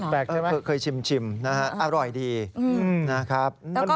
แปลกใช่ไหมอร่อยนะครับเคยชิม